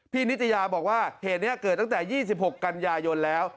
นิตยาบอกว่าเหตุนี้เกิดตั้งแต่๒๖กันยายนแล้ว